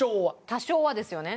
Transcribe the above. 「多少は」ですよね。